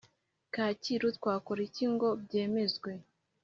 Kacyiru Twakora Iki ngo byemezwe